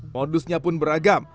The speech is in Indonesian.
modusnya pun beragam